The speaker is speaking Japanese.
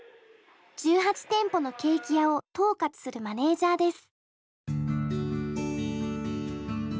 １８店舗のケーキ屋を統括するマネージャーです。